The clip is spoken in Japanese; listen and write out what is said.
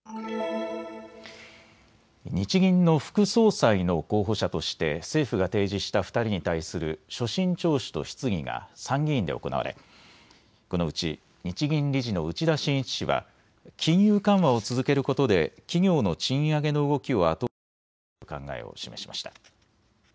日銀の副総裁の候補者として政府が提示した２人に対する所信聴取と質疑が参議院で行われこのうち日銀理事の内田眞一氏は金融緩和を続けることで企業の賃上げの動きを後押ししたいという考えを示しました。